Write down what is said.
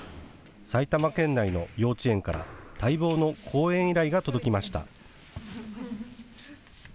埼玉県内の幼稚園から待望の公演依頼が届きました。